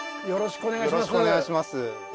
よろしくお願いします。